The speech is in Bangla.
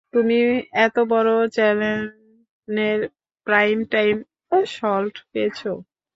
তুমি এত বড় চ্যানেলের প্রাইম টাইম স্লট পেয়েছো।